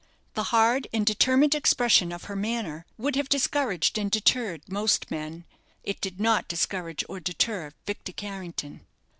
The hard and determined expression of her manner would have discouraged and deterred most men. It did not discourage or deter Victor Carrington.